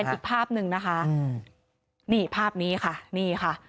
อีกภาพหนึ่งนะคะนี่ภาพนี้ค่ะนี่ค่ะ